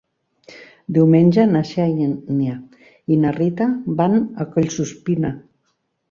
Diumenge na Xènia i na Rita van a Collsuspina.